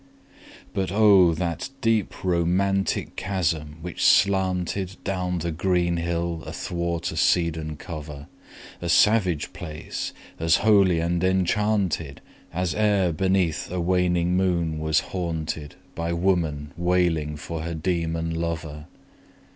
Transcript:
But O, that deep romantic chasm which slanted Down the green hill athwart a cedarn cover! A savage place! as holy and enchanted As e'er beneath a waning moon was haunted 15 By woman wailing for her demon lover!